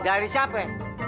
dari siapa be